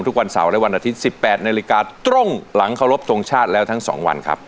ทุกวันเสาร์และวันอาทิตย์๑๘นาฬิกาตรงหลังเคารพทงชาติแล้วทั้ง๒วันครับ